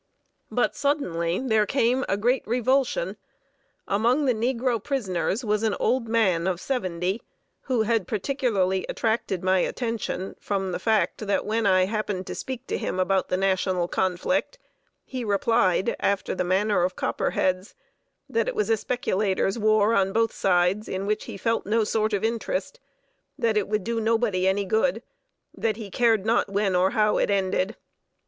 But suddenly there came a great revulsion. Among the negro prisoners was an old man of seventy, who had particularly attracted my attention from the fact that when I happened to speak to him about the National conflict, he replied, after the manner of Copperheads, that it was a speculators' war on both sides, in which he felt no sort of interest; that it would do nobody any good; that he cared not when or how it ended.